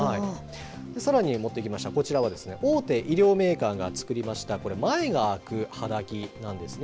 さらに持ってきました、こちらは、大手衣料メーカーが作りました、これ、前が開く肌着なんですね。